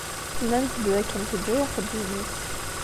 Nnant-d d akken teǧǧa axeddim-is.